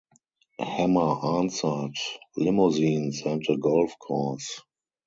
Hammer answered "limousines and a golf course".